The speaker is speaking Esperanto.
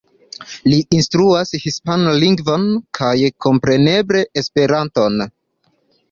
Li instruas hispanan lingvon, kaj kompreneble Esperanton.